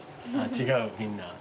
違うみんな。